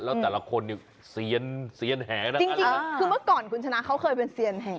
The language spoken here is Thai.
แล้วแต่ละคนเนี่ยเซียนเซียนแหนะจริงคือเมื่อก่อนคุณชนะเขาเคยเป็นเซียนแห่